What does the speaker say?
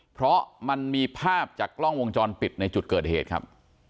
เพราะมันมีภาพจากกล้องวงจรปิดในจุดเกิดเหตุครับ